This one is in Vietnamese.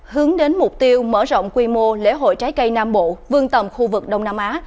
hướng đến mục tiêu mở rộng quy mô lễ hội trái cây nam bộ vương tầm khu vực đông nam á